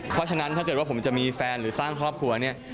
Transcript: เพราะฉะนั้นถ้าเกิดว่าผมจะมีแฟนหรือสร้างครอบครัวเนี่ย